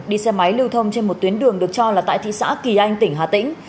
đi xe máy lưu thông trên một tuyến đường được cho là tại thị xã kỳ anh tỉnh hà tĩnh